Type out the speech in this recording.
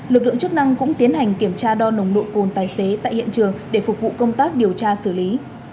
lực lượng chức năng cũng tiến hành kiểm tra đo nồng độ cồn tài xế tại hiện trường để phục vụ công tác điều tra xử lý